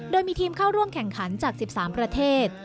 โดยมีทีมเข้าร่วมแข่งขันจาก๑๓ประเทศ